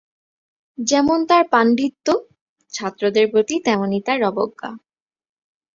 যেমন তাঁর পাণ্ডিত্য, ছাত্রদের প্রতি তেমনি তাঁর অবজ্ঞা।